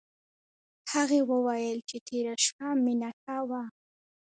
هغې وویل چې تېره شپه مينه ښه وه